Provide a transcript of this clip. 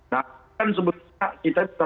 nah kan sebetulnya kita